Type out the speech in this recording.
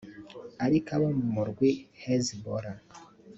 Ariko abo mu murwi Hezbollah